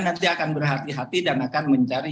nanti akan berhati hati dan akan mencari